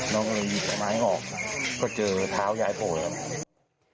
น้องก็เลยหยิบเอาไม้ออกก็เจอเท้ายายโผล่ครับ